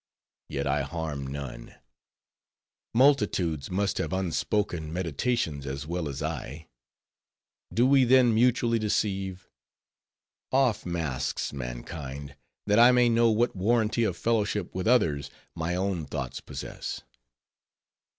Yet I harm none. Multitudes must have unspoken meditations as well as I. Do we then mutually deceive? Off masks, mankind, that I may know what warranty of fellowship with others, my own thoughts possess.